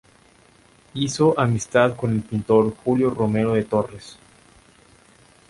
Hizo amistad con el pintor Julio Romero de Torres.